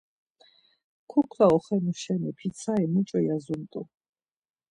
Kukla oxenu şeni pitsari muç̌o yazumt̆u?